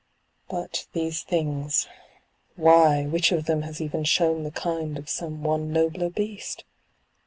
But these things — why, which of them has even shown the kind of some one nobler beast?